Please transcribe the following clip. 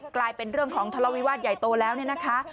กลายเป็นเรื่องของทะเลาวิวาสใหญ่โตแล้วเนี่ยนะคะ